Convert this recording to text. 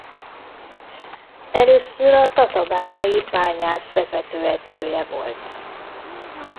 Először a Tatabányai Bányász vezetőedzője volt.